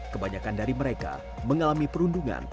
kebanyakan dari mereka mengalami perundungan